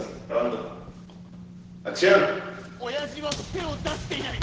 親父は手を出していない！